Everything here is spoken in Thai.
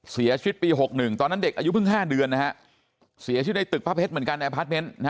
เสียชีวิตปี๖๑ตอนนั้นเด็กอายุเพิ่ง๕เดือนเสียชีวิตในตึกป้าเผ็ดเหมือนกัน